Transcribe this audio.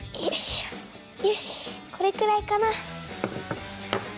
よしこれくらいかな。